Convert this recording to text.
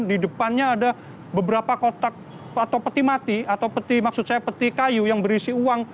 di depannya ada beberapa kotak atau peti mati atau peti maksud saya peti kayu yang berisi uang